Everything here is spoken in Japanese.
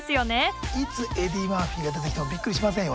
いつエディ・マーフィーが出てきてもびっくりしませんよ